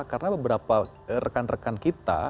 karena beberapa rekan rekan kita